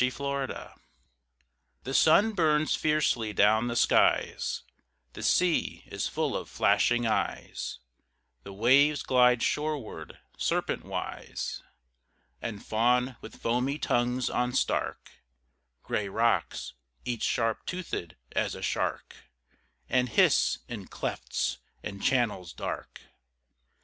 A PICTURE THE sun burns fiercely down the skies ; The sea is full of flashing eyes ; The waves glide shoreward serpentwise And fawn with foamy tongues on stark Gray rocks, each sharp toothed as a shark, And hiss in clefts and channels dark.